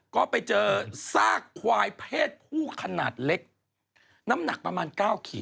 ก็ไปเจอซากควายเพศผู้ขนาดเล็กน้ำหนักประมาณ๙ขีด